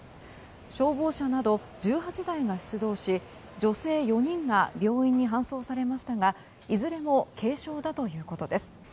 消防車など１８台が出動し女性４人が病院に搬送されましたがいずれも軽症だということです。